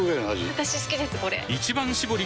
私好きですこれ！